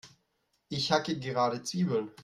Ich hacke gerade Zwiebeln.